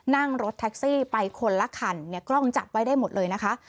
นั่งรถแท็กซี่ไปคนละคันเนี่ยกล้องจับไว้ได้หมดเลยนะคะ